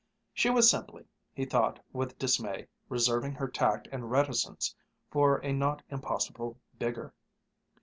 She was simply, he thought with dismay, reserving her tact and reticence for a not impossible bigger.